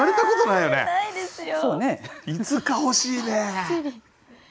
いつか欲しいね。